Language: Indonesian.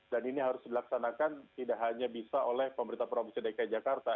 dan ini harus dilaksanakan tidak hanya bisa oleh pemerintah provinsi dki jakarta